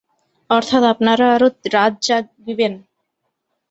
অর্থাৎ আপনারা আরো রাত জািগবেন!